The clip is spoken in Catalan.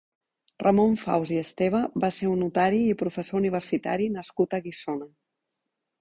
Ramon Faus i Esteve va ser un notari i professor universitari nascut a Guissona.